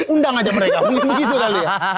undang aja mereka begitu kali ya